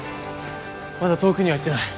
まだ遠くには行ってない。